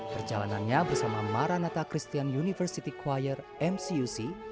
perjalanannya bersama maranatha christian university choir mcuc